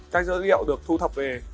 các dữ liệu được thu thập về